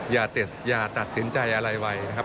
อย่าตัดสินใจอะไรไวนะครับ